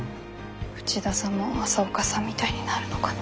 内田さんも朝岡さんみたいになるのかな。